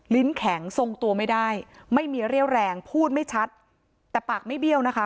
แข็งทรงตัวไม่ได้ไม่มีเรี่ยวแรงพูดไม่ชัดแต่ปากไม่เบี้ยวนะคะ